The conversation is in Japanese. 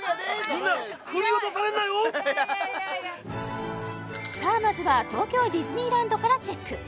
みんないやいやいやいやさあまずは東京ディズニーランドからチェック！